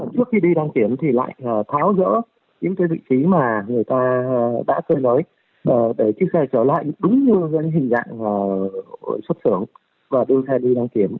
các chủ xe lại tháo rỡ những vị trí mà người ta đã cơ lối để chiếc xe trở lại đúng như hình dạng xuất xưởng và đưa xe đi đăng kiểm